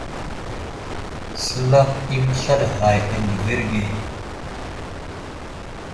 Səlakw i məslaɗ ghay a ndəverge.